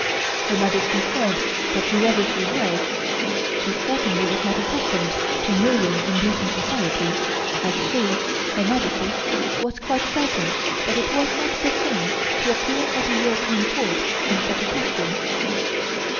Her Majesty said that whoever she was she certainly was not accustomed to moving in decent society as she (Her Majesty) was quite certain that it was not the thing to appear at a European Court in such a costume.